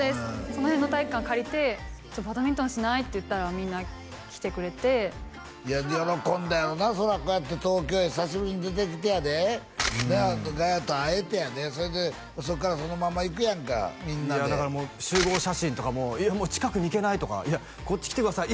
その辺の体育館借りて「バドミントンしない？」って言ったらみんな来てくれて喜んだやろなそりゃこうやって東京へ久しぶりに出てきてやでなあガヤと会えてやでそれでそこからそのまま行くやんかみんなでだから集合写真とかも「いや近くに行けない」とか「いやこっち来てください」